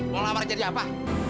mau ngelamar jadi apa